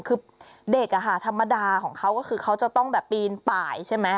คือเด็กธรรมดาของเขาก็คือเขาจะต้องแบบปีนป่ายใช่ไหม